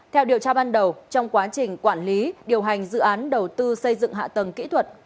theo điều tra ban đầu trong quá trình quản lý điều hành dự án đầu tư xây dựng hạ tầng kỹ thuật